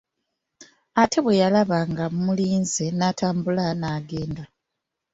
Ate bwe yalaba nga mulinze n'atambula n'agenda.